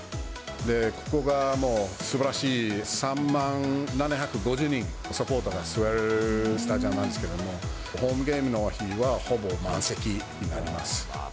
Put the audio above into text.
ここがもう、すばらしい、３万７５０人のサポーターが座れるスタジアムなんですけど、ホームゲームの日は、ほぼ満席になります。